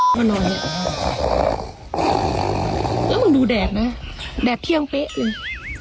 แล้วลูกดูแดดนะแดดเที่ยงเฟ้นเลย